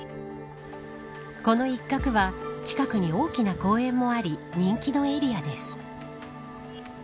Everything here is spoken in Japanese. この一角は近くに大きな公園もあり人気のエリアです。